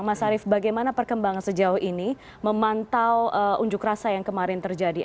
mas arief bagaimana perkembangan sejauh ini memantau unjuk rasa yang kemarin terjadi